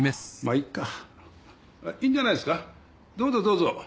いいんじゃないですかどうぞどうぞ。